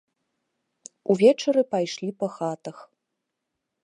Увечары пайшлі па хатах.